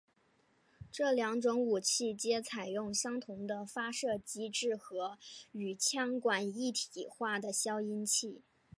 这两种武器皆采用相同的发射机制和与枪管一体化的消音器。